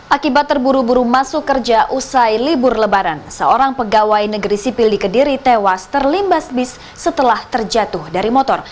akibat terburu buru masuk kerja usai libur lebaran seorang pegawai negeri sipil di kediri tewas terlimbas bis setelah terjatuh dari motor